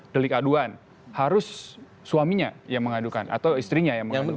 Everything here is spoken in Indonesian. delik aduan harus suaminya yang mengadukan atau istrinya yang mengadukan